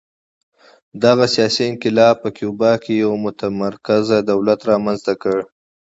دغه سیاسي انقلاب په کیوبا کې یو متمرکز دولت رامنځته کړ